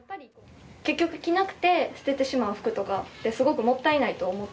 結局着なくて捨ててしまう服とかってすごくもったいないと思って。